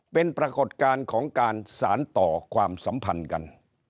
เป็นปรากฏการณ์ของการสารต่อความสัมพันธ์กัน